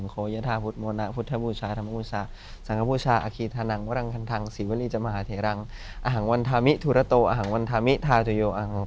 คุณสวดให้ฟังหน่อย